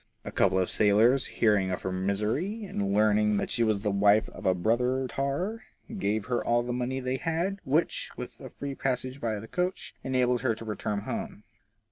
A couple of sailors hearing of her misery, and learning that she was the wife of a brother tar, gave her all the money they had, which, with a free passage by the coach, enabled her to reach home.